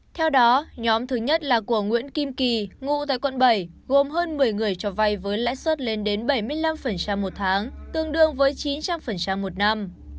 theo đó nhóm thứ nhất là của nguyễn kim kỳ ngụ tại quận bảy gồm hơn một mươi người cho vay với lãi suất lên đến bảy mươi năm một tháng tương đương với chín trăm linh một năm